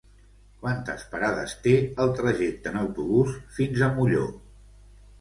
Quantes parades té el trajecte en autobús fins a Molló?